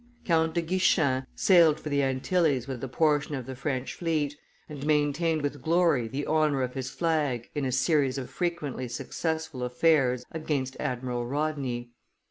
Count de Guichen sailed for the Antilles with a portion of the French fleet, and maintained with glory the honor of his flag in a series of frequently successful affairs against Admiral Rodney.